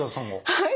はい。